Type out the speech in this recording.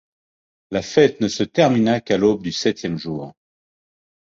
La fête ne se termina qu'à l'aube du septième jour.